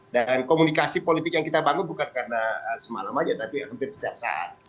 dan komunikasi politik yang kita bangun bukan karena semalam saja tapi hampir setiap saat